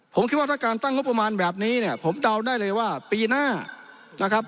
ผมคิดว่าถ้าการตั้งงบประมาณแบบนี้เนี่ยผมเดาได้เลยว่าปีหน้านะครับ